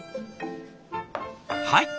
はい。